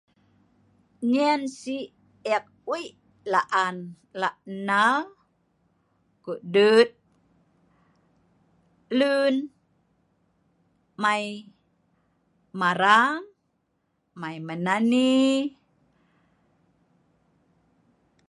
Nyen si ek wei laan lak nnal ,kokdut lun mai marang, mai menani